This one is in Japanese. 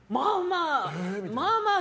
まあまあ。